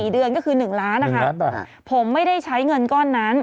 เดือนก็คือ๑ล้านนะคะผมไม่ได้ใช้เงินก้อนนั้น